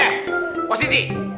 eh pak siti